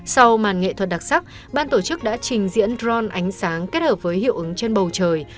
sau màn nghệ thuật đặc sắc ban tổ chức đã trình diễn dron ánh sáng kết hợp với hiệu ứng trên bầu trời